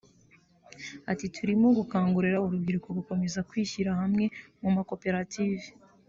Ati “Turimo gukangurira urubyiruko gukomeza kwishyira hamwe mu makoperative